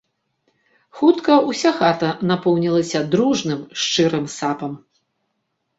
Хутка ўся хата напоўнілася дружным, шчырым сапам.